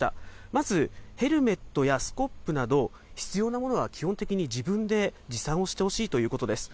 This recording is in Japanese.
まず、ヘルメットやスコップなど、必要なものは基本的に自分で持参をしてほしいということです。